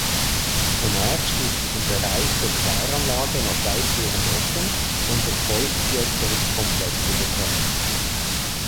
Zunächst ist es im Bereich der Kläranlage noch weitgehend offen und durch Feuchtbiotopkomplexe geprägt.